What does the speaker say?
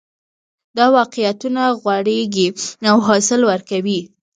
دا واقعیتونه غوړېږي او حاصل ورکوي